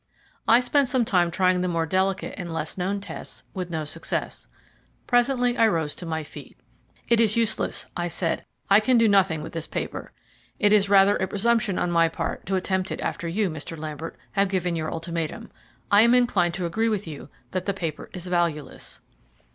I spent some time trying the more delicate and less known tests, with no success. Presently I rose to my feet. "It is useless," I said; "I can do nothing with this paper. It is rather a presumption on my part to attempt it after you, Mr. Lambert, have given your ultimatum. I am inclined to agree with you that the paper is valueless."